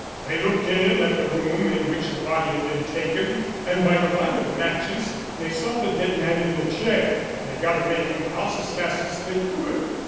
They looked in at the room in which the body had been taken, and by the light of matches they saw the dead man in the chair. They got away from the house as fast as they could.